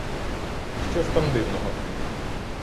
Що ж там дивного!